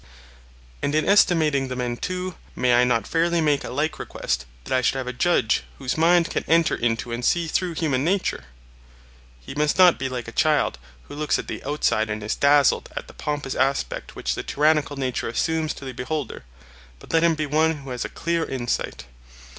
And in estimating the men too, may I not fairly make a like request, that I should have a judge whose mind can enter into and see through human nature? he must not be like a child who looks at the outside and is dazzled at the pompous aspect which the tyrannical nature assumes to the beholder, but let him be one who has a clear insight.